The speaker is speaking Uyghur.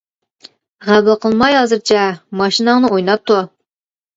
غەلۋە قىلماي ھازىرچە، ماشىناڭنى ئويناپ تۇر.